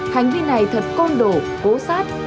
hành vi này thật côn đồ cố sát